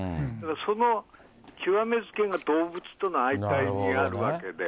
その極めつきが動物との相対にあるわけで。